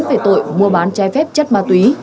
về tội mua bán chai phép chất ma túy